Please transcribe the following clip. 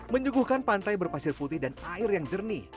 menyuguhkan pantai berpasir putih dan air yang jernih